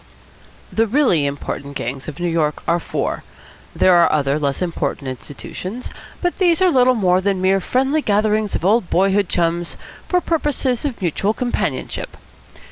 The really important gangs of New York are four. There are other less important institutions, but these are little more than mere friendly gatherings of old boyhood chums for purposes of mutual companionship.